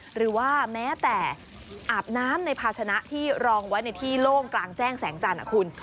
หรือว่าแม้แต่อาบน้ำในภาชนะที่รองไว้ในที่โล่งกลางแจ้งแสงจันทร์คุณ